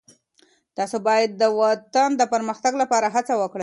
تاسو باید د وطن د پرمختګ لپاره هڅه وکړئ.